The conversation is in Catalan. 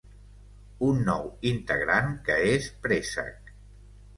Un nou integrant, que és Préssec.